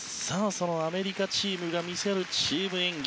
そのアメリカチームが見せるチーム演技